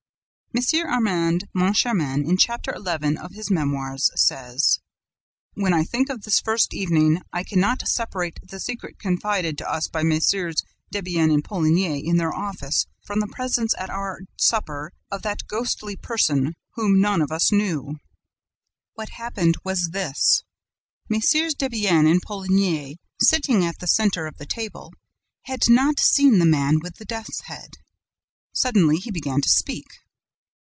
M. Armand Moncharmin, in chapter eleven of his Memoirs, says: "When I think of this first evening, I can not separate the secret confided to us by MM. Debienne and Poligny in their office from the presence at our supper of that GHOSTLY person whom none of us knew." What happened was this: Mm. Debienne and Poligny, sitting at the center of the table, had not seen the man with the death's head. Suddenly he began to speak.